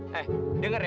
hei dengar ya